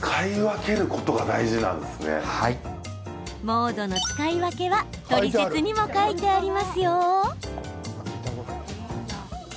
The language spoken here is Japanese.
モードの使い分けはトリセツにも書いてありますよ。